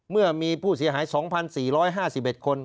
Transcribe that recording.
เมื่อมีผู้เสียหาย๒๔๕๑คน